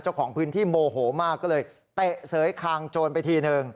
เจ้าของพื้นที่โมโหมากก็เลยเตะเสยคางโจรไปทีนึง